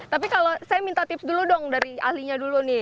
tapi kalau saya minta tips dulu dong dari ahlinya dulu nih